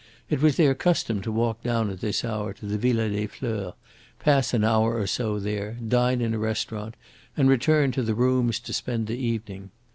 It was their custom to walk down at this hour to the Villa des Fleurs, pass an hour or so there, dine in a restaurant, and return to the Rooms to spend the evening.